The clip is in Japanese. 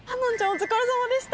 お疲れさまでした！